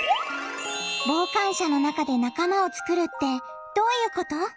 傍観者の中で仲間を作るってどういうこと？